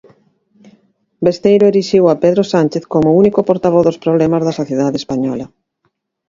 Besteiro erixiu a Pedro Sánchez como único portavoz dos problemas da sociedade española.